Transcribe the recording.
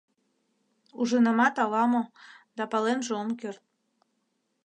— Ужынамат ала-мо, да паленже ом керт...